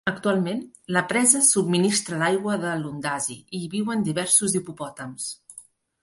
Actualment la presa subministra l'aigua de Lundazi i hi viuen diversos hipopòtams.